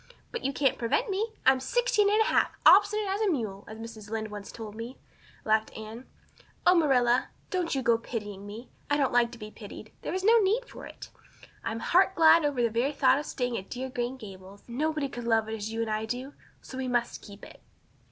"But you can't prevent me. I'm sixteen and a half, 'obstinate as a mule,' as Mrs. Lynde once told me," laughed Anne. "Oh, Marilla, don't you go pitying me. I don't like to be pitied, and there is no need for it. I'm heart glad over the very thought of staying at dear Green Gables. Nobody could love it as you and I do so we must keep it."